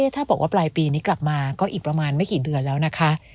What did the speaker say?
ถ้าบอกว่าปลายปีนี้กลับมาก็อีกประมาณไม่กี่เดือนแล้วนะคะ